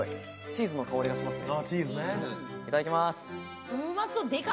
チーズの香りがしますね。